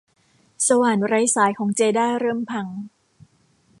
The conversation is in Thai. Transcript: สว่านไร้สายของเจด้าเริ่มพัง